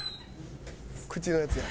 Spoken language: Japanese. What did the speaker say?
口のやつや。